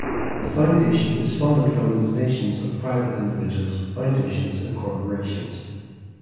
The Foundation is funded from the donations of private individuals, foundations, and corporations.